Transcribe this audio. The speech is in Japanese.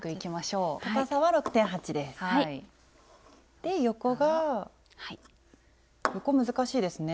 で横が横難しいですね。